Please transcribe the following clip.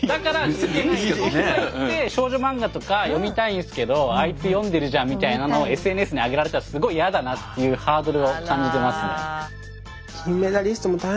ほんとは行って少女漫画とか読みたいんすけどあいつ読んでるじゃんみたいなのをＳＮＳに上げられたらすごいやだなっていうハードルを感じてますね。